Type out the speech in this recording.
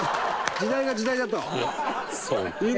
時代が時代だと。